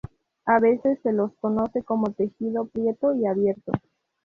A veces se los conoce como tejido "prieto" y "abierto".